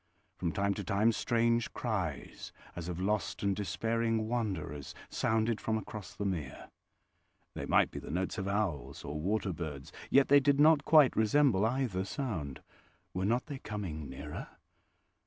From time to time strange cries as of lost and despairing wanderers sounded from across the mere. They might be the notes of owls or water birds, yet they did not quite resemble either sound. Were not they coming nearer?